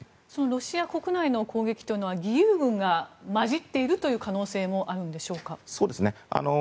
ロシア国内の攻撃というのは義勇軍が混じっている可能性はあるんでしょうか。